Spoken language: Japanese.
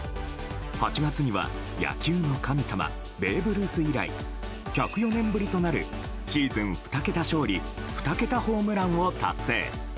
８月には野球の神様ベーブ・ルース以来１０４年ぶりとなるシーズン２桁勝利２桁ホームランを達成。